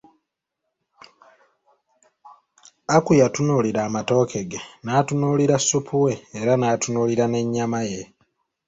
Aku yatunuulira amatooke ge, n'atunuulira supu we era n'atunulira n'ennyama ye .